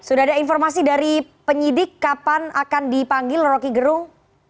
sudah ada informasi dari penyidik kapan akan dipanggil roky gerung